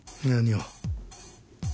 何を？